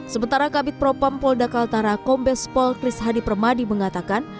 sementara kabit propam polda kaltara kombes pol kris hadi permadi mengatakan